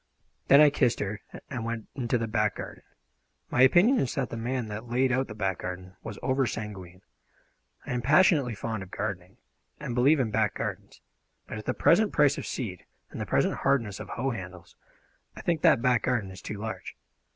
Then I kissed her and went into the back garden. My opinion is that the man that laid out that back garden was over sanguine. I am passionately fond of gardening, and believe in back gardens; but at the present price of seed and the present hardness of hoe handles, I think that back garden is too large.